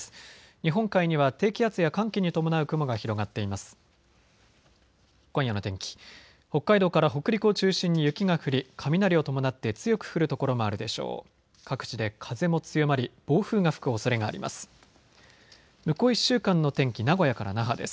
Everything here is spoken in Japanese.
日本海には低気圧や寒気に伴う雲が広がっています。